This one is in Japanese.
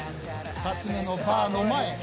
２つ目のバーの前。